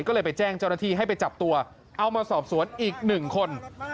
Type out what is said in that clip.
ก็เลยไปแจ้งเจ้าหน้าที่ให้ไปจับตัวเอามาสอบสวนอีกหนึ่งคน